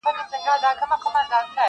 چي هوښیار طوطي ګونګی سو په سر پک سو.!